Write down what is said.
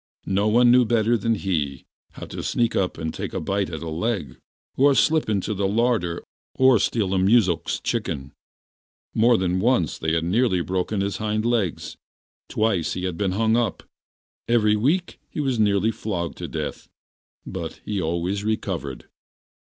No one knew better than he how to sneak up and take a bite at a leg, or slip into the larder or steal a muzhik's chicken. More than once they had nearly broken his hind legs, twice he had been hung up, every week he was nearly flogged to death, but he always recovered.